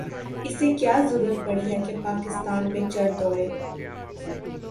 اسے کیا ضرورت پڑی ہے کہ پاکستان پہ چڑھ دوڑے۔